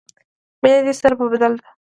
مینه دې سر په بدله ده.